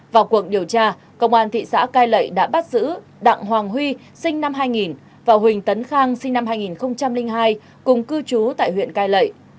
vào cuộc điều tra công an thị xã cai lậy đã bắt giữ đặng hoàng huy sinh năm hai nghìn và huỳnh tấn khang sinh năm hai nghìn hai cùng cư trú tại huyện cai lệ